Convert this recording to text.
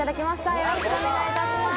よろしくお願いします